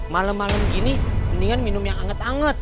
malem malem gini mendingan minum yang anget anget